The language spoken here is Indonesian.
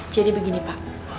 jadi begini pak